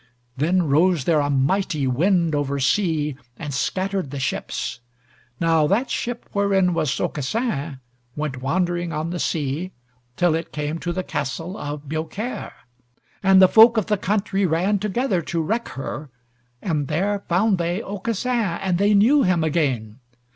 Then rose there a mighty wind over sea, and scattered the ships. Now that ship wherein was Aucassin, went wandering on the sea, till it came to the castle of Biaucaire, and the folk of the country ran together to wreck her, and there found they Aucassin, and they knew him again.